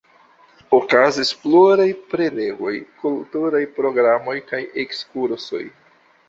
Okazis pluraj prelegoj, kulturaj programoj kaj ekskursoj.